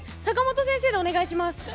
坂本先生でお願いします。